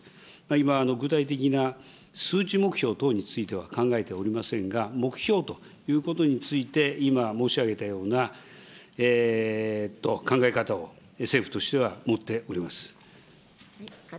今、具体的な数値目標等については、考えておりませんが、目標ということについて、今申し上げたような考え方を政府としては持っております。